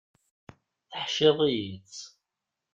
Teḥciḍ-iyi-tt.